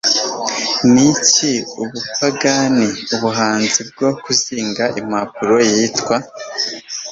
Niki Ubuyapani Ubuhanzi bwo Kuzinga Impapuro Yitwa